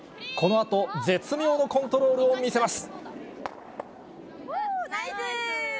このあと、絶妙のコントロールを見せまナイス。